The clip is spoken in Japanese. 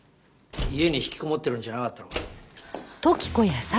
家にひきこもってるんじゃなかったのか？